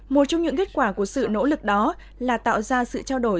một trong những kết quả của sự nỗ lực đó là tạo ra sự trao đổi